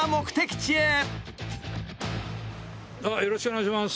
よろしくお願いします。